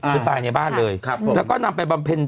คือตายในบ้านเลยแล้วก็นำไปบำเพ็ญ